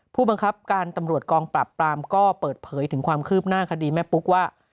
ผู้บังคับการตำรวจกองปรับปรามก็เปิดเผยถึงความคืบหน้าคดีแม่ปุ๊กว่า